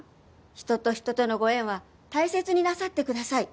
人と人とのご縁は大切になさってください。